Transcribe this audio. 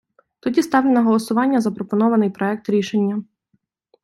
Тоді ставлю на голосування запропонований проект рішення!